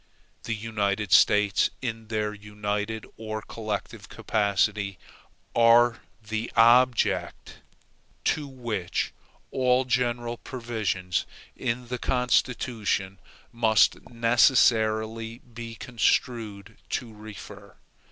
The United States, in their united or collective capacity, are the OBJECT to which all general provisions in the Constitution must necessarily be construed to refer.